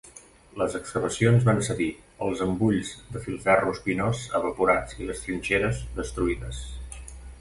Les excavacions van cedir, els embulls de filferro espinós evaporats i les trinxeres destruïdes.